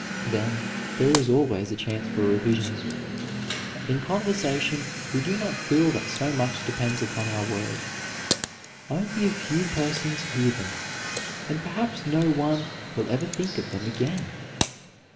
Then, there is always a chance for revision. In conversation, we do not feel that so much depends upon our words; only a few persons hear them, and perhaps no one will ever think of them again.